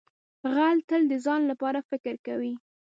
غل تل د ځان لپاره فکر کوي